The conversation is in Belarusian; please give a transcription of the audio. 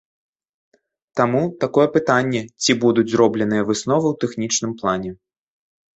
Таму, такое пытанне, ці будуць зробленыя высновы ў тэхнічным плане.